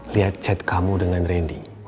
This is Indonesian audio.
lihat chat kamu dengan randy